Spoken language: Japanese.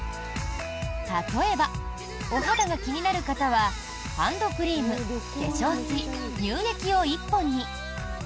例えば、お肌が気になる方はハンドクリーム、化粧水、乳液を１本に。